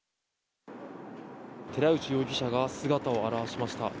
寺内容疑者が姿を現しました。